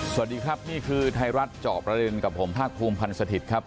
สวัสดีครับนี่คือไทยรัฐเจาะประเด็นกับผมภาคภูมิพันธ์สถิตย์ครับ